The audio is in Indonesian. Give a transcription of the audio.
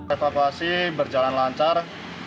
evakuasi berjalan lancar